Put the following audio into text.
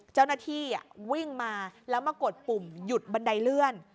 เจ้าหน้าที่วิ่งมาแล้วมากดปุ่มหยุดบันไดเลื่อน